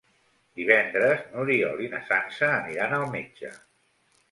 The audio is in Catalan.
Divendres n'Oriol i na Sança aniran al metge.